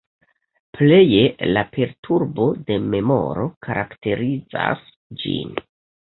Pleje la perturbo de memoro karakterizas ĝin.